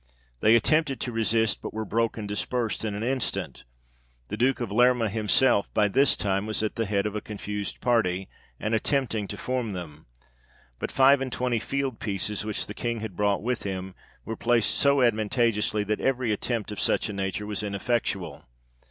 They attempted to resist, but were broke and dispersed in an instant : the Duke of Lerma himself, by this time, was at the head of a confused party, and attempting to form them. But five and twenty field pieces, which the King had brought with him, were placed so advantageously, that every attempt of such a nature was ineffectual.